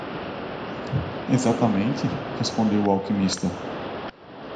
"Exatamente?" respondeu o alquimista.